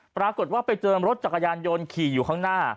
ปรากฏว่าไปเจอรถจักรยานยนต์ขี่อยู่ข้างหน้า